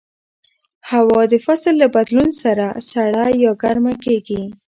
هوا د فصل له بدلون سره سړه یا ګرمه کېږي